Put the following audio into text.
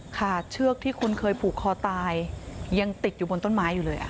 เชือกที่คุณเคยผูกคอตายยังติดอยู่บนต้นไม้อยู่เลย